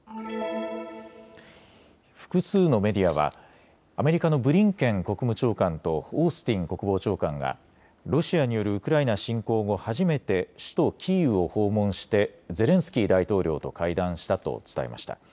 複数のメディアはアメリカのブリンケン国務長官とオースティン国防長官がロシアによるウクライナ侵攻後初めて首都キーウを訪問してゼレンスキー大統領と会談したと伝えました。